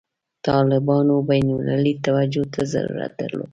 طالبانو بین المللي توجه ته ضرورت درلود.